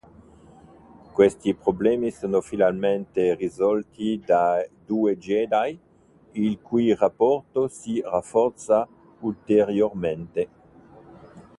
Questi problemi sono finalmente risolti dai due Jedi, il cui rapporto si rafforza ulteriormente.